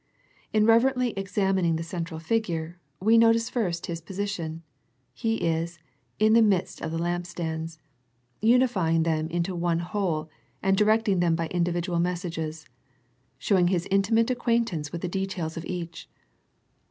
In reverently examining the central figure, we notice first His position. He is " in the midst of the lampstands," unifying them into one whole, and directing them by individual messages, showing His intimate acquaintance with the details of each.